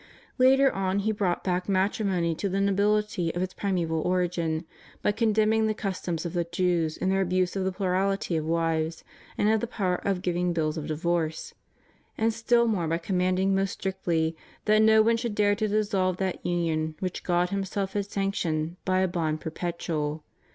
Later on He brought back matri mony to the nobility of its primeval origin, by condemn ing the customs of the Jews in their abuse of the plurality of wives and of the power of giving bills of divorce; and still more by commanding most strictly that no one should dare to dissolve that union which God Himself had sanctioned by a bond perpetual.